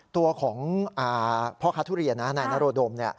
ตัวของพ่อค้าทุเรียนนายนโรดม